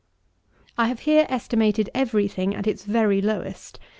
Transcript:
I have here estimated every thing at its very lowest.